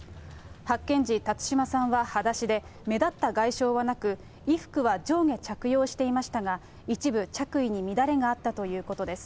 発見時、辰島さんははだしで、目立った外傷はなく、衣服は上下着用していましたが、一部、着衣に乱れがあったということです。